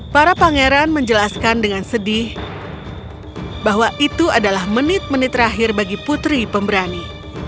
para pangeran menjelaskan dengan sedih bahwa itu adalah menit menit terakhir bagi putri pemberani